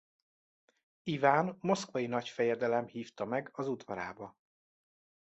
Iván moszkvai nagyfejedelem hívta meg az udvarába.